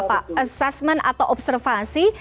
pengawasan atau observasi